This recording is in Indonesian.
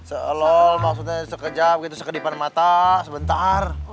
seelol maksudnya sekejap gitu sekedipan mata sebentar